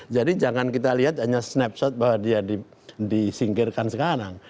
jadi jangan kita lihat hanya snapshot bahwa dia disingkirkan sekarang